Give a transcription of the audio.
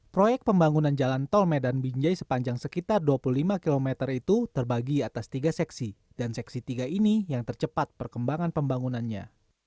proyek pembangunan jalan tol medan binjai sepanjang sekitar dua puluh lima km itu terbagi atas tiga seksi dan seksi tiga ini yang tercepat perkembangan pembangunannya